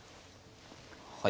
はい。